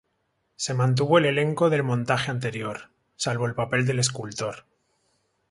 Se mantuvo el elenco del montaje anterior, salvo el papel del escultor.